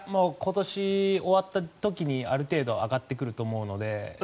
今年、終わった時にある程度上がってくると思うので。